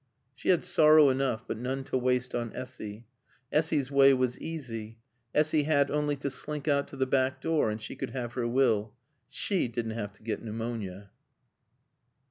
She had sorrow enough, but none to waste on Essy. Essy's way was easy. Essy had only to slink out to the back door and she could have her will. She didn't have to get pneumonia.